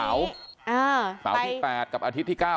เสาร์ที่๘กับอาทิตย์ที่๙